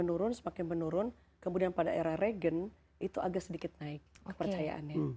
menurun semakin menurun kemudian pada era regen itu agak sedikit naik kepercayaannya